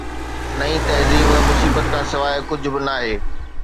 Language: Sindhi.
نئين تهذيب مصيبت کان سواءِ ڪجهه به ناهي